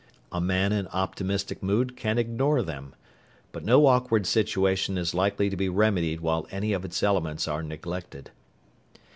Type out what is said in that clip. A man in optimistic mood can ignore them. But no awkward situation is likely to be remedied while any of its elements are neglected.